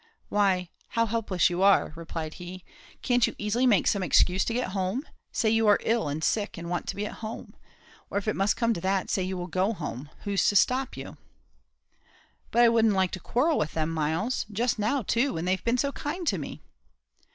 "Why how helpless you are," replied he; "can't you easily make some excuse to get home? say you are ill and sick and want to be at home. Or if it must come to that, say you will go home; who's to stop you?" "But I wouldn't like to quarrel with them, Myles; just now, too, when they've been so kind to me."